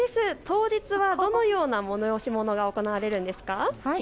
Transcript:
当日はどのような催し物が行われるんですか。